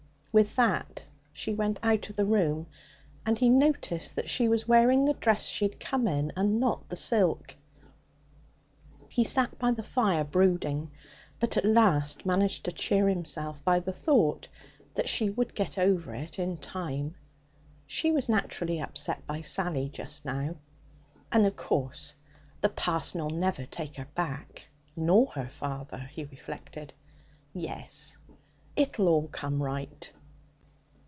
With that she went out of the room, and he noticed that she was wearing the dress she had come in, and not the silk. He sat by the fire, brooding; but at last managed to cheer himself by the thought that she would get over it in time. She was naturally upset by Sally just now. 'And, of course, the parson'll never take her back, nor her father,' he reflected. 'Yes, it'll all come right.'